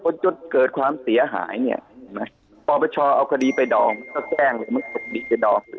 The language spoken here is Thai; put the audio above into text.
เพราะจนเกิดความเสียหายเนี่ย